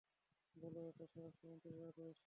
বলো এটা স্বরাষ্ট্রমন্ত্রীর আদেশ।